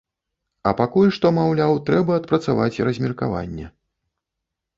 А пакуль што, маўляў, трэба адпрацаваць размеркаванне.